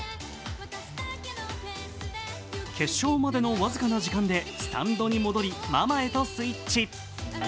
決勝までの僅かな時間でスタンドに戻りママへとスイッチ。